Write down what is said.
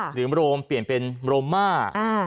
โรมเปลี่ยนเป็นโรมา